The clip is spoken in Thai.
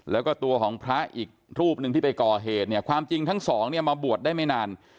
แล้วก็ตัวของพระอีกรูปหนึ่งที่ไปก่อเหตุเนี่ยความจริงทั้งสองเนี่ยมาบวชได้ไม่นาน